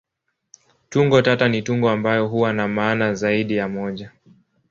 Tungo tata ni tungo ambayo huwa na maana zaidi ya moja.